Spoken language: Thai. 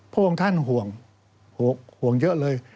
พวกท่านห่วงห่วงเยอะเลย